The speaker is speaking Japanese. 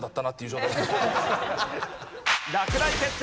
落第決定！